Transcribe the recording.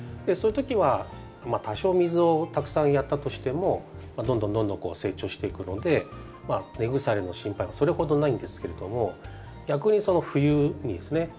そういう時は多少水をたくさんやったとしてもどんどんどんどん成長していくので根腐れの心配はそれほどないんですけれども逆に冬にですね